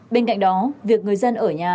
bên cạnh đó việc người dân ở nhà